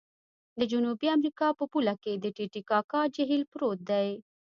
د جنوبي امریکا په پوله کې د ټې ټې کاکا جهیل پروت دی.